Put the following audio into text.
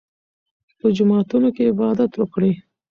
په جوماتونو کې عبادت وکړئ.